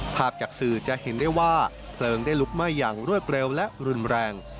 ภาพจากสื่อจะเห็นได้ว่าเพลิงได้ลุกไหม้อย่างรวดเร็วและรุนแรง